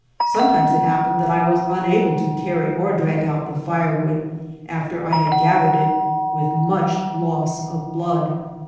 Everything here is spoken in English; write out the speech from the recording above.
Sometimes it happened that I was unable to carry or drag out the firewood after I had gathered it with much loss of blood.